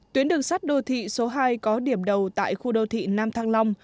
tuyến đường sắt đô thị số hai có điểm đầu tại khu đô thị nam thăng long